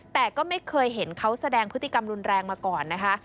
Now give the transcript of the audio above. แต่ก็ไม่เคยเห็นเขาแสดงพฤติกรรมรุนแรงมาก่อนนะคะ